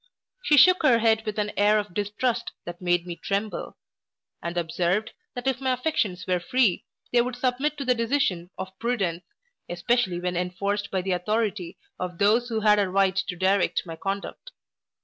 She shook her head with an air of distrust that made me tremble; and observed, that if my affections were free, they would submit to the decision of prudence, especially when enforced by the authority of those who had a right to direct my conduct.